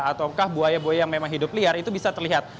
ataukah buaya buaya yang memang hidup liar itu bisa terlihat